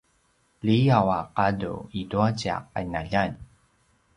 liyaw a gadu itua tja qinaljan